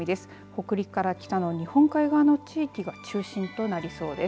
北陸から北の日本海側の地域が中心となりそうです。